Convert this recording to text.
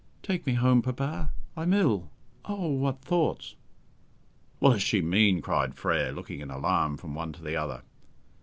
"Take me home, papa; I'm ill. Oh, what thoughts!" "What does she mean?" cried Frere, looking in alarm from one to the other.